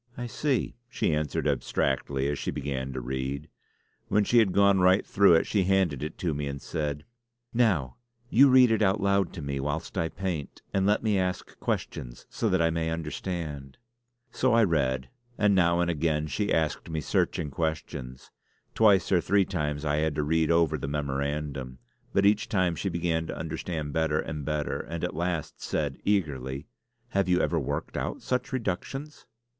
"I see!" she answered abstractedly as she began to read. When she had gone right through it she handed it to me and said: "Now you read it out loud to me whilst I paint; and let me ask questions so that I may understand." So I read; and now and again she asked me searching questions. Twice or three times I had to read over the memorandum; but each time she began to understand better and better, and at last said eagerly: "Have you ever worked out such reductions?"